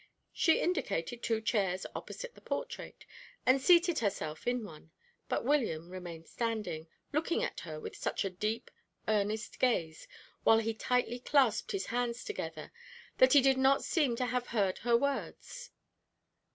She indicated two chairs opposite the portrait, and seated herself in one, but William remained standing, looking at her with such a deep, earnest gaze, while he tightly clasped his hands together, that he did not seem to have heard her words.